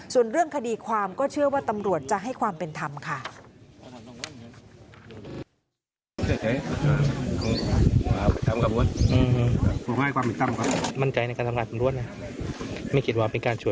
ส่วนเรื่องคดีความก็เชื่อว่าตำรวจจะให้ความเป็นธรรมค่ะ